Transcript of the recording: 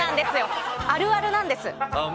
あるあるなんです。